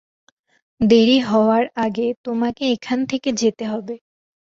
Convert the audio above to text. দেরি হওয়ার আগে তোমাকে এখান থেকে যেতে হবে।